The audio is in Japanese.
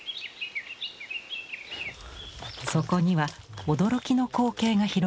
そこには驚きの光景が広がっている。